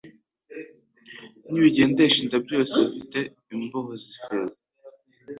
n’ibigendesha inda byose bifite imboho z’ifeza